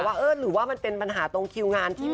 ว่าเออหรือว่ามันเป็นปัญหาตรงคิวงานที่